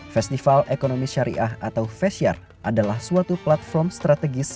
festival ekonomi syariah atau fesyar adalah suatu platform strategis